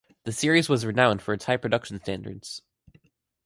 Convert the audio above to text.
The series was renowned for its high production standards.